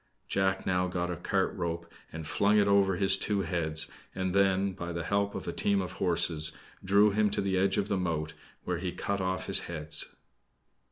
Jack now got a cart rope and flung it over his two heads, and then, by the help of a team of horses, drew him to the edge of the moat, where he cut off his heads.